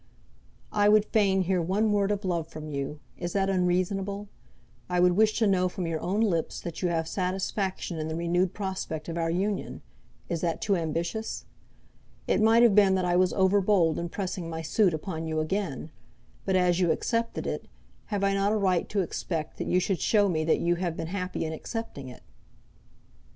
"I would fain hear one word of love from you; is that unreasonable? I would wish to know from your own lips that you have satisfaction in the renewed prospect of our union; is that too ambitious? It might have been that I was over bold in pressing my suit upon you again; but as you accepted it, have I not a right to expect that you should show me that you have been happy in accepting it?"